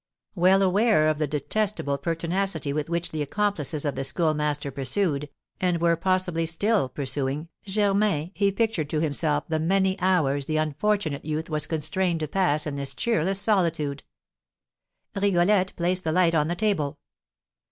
Well aware of the detestable pertinacity with which the accomplices of the Schoolmaster pursued, and were possibly still pursuing, Germain, he pictured to himself the many hours the unfortunate youth was constrained to pass in this cheerless solitude. Rigolette placed the light on the table.